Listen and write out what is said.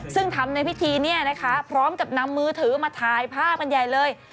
ซึ่งทำในพิธีเนี่ยนะคะพร้อมกับนำมือถือมาถ่ายภาพกันใหญ่เลย